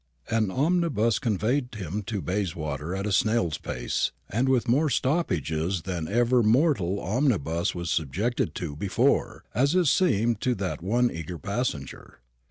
An omnibus conveyed him to Bayswater at a snail's pace, and with more stoppages than ever mortal omnibus was subjected to before, as it seemed to that one eager passenger.